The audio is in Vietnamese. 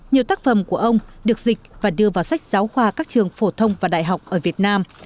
nhiều tác phẩm của ông được dịch và đưa vào sách giáo khoa các trường phổ thông và đại học ở việt nam